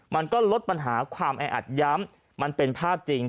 มันก็ลดปัญหาความแออัดย้ำมันเป็นภาพจริง